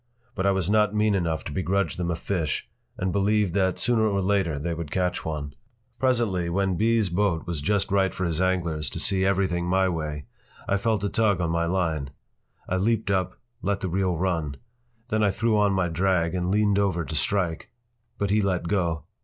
But I was not mean enough to begrudge them a fish and believed that sooner or later they would catch one. Presently, when B.’s boat was just right for his anglers to see everything my way, I felt a tug on my line. I leaped up, let the reel run. Then I threw on my drag and leaned over to strike. But he let go.